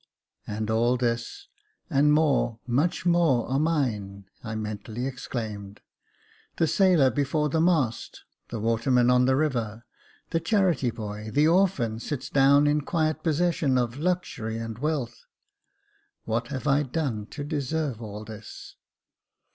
*' And all this, and more, much more, are mine," I mentally exclaimed: " the sailor before the mast, the waterman on the river, the charity boy, the orphan sits down in quiet possession of luxury and wealth. What have I done to deserve all this